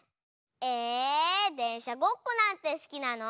えでんしゃごっこなんてすきなの？